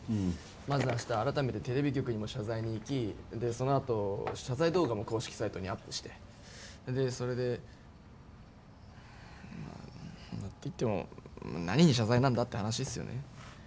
まず、明日改めてテレビ局にも謝罪に行きで、そのあと謝罪動画も公式サイトにアップしてで、それで。っていっても何に謝罪なんだって話っすよね。